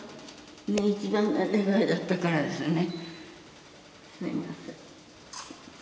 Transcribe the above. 一番の願いだったからね。